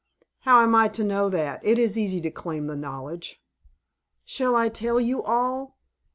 "How am I to know that? It is easy to claim the knowledge." "Shall I tell you all?